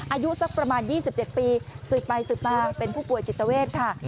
อายุสักประมาณ๒๗ปีสืบไปสืบมาเป็นผู้ป่วยจิตเวทค่ะ